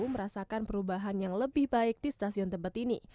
merasakan perubahan yang lebih baik di stasiun tebet ini